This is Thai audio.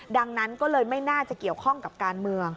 ดังนั้นก็เลยไม่น่าจะเกี่ยวข้องกับการเมือง